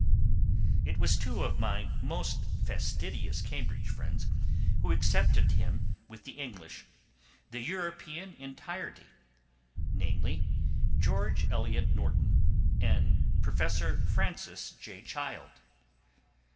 It was two of my most fastidious Cambridge friends who accepted him with the English, the European entirety namely, Charles Eliot Norton and Professor Francis J. Child.